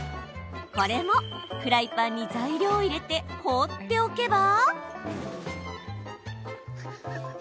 これもフライパンに材料を入れて放っておけば。